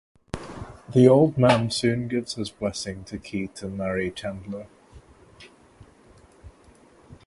The Old Man soon gives his blessing to Kee to marry Chandler.